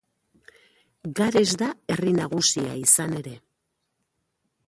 Gares da herri nagusia izan ere.